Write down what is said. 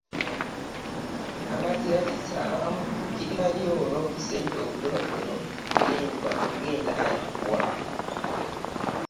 Abazirakisa baamudduukirirayo n'obusente obutonotono ng'entandikwa.